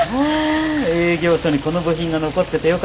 営業所にこの部品が残っててよかった。